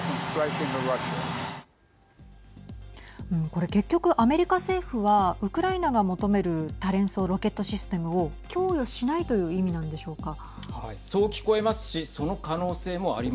これ、結局アメリカ政府はウクライナが求める多連装ロケットシステムを供与しないという意味なんでしょうか。